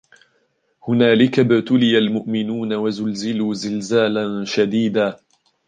هُنَالِكَ ابْتُلِيَ الْمُؤْمِنُونَ وَزُلْزِلُوا زِلْزَالًا شَدِيدًا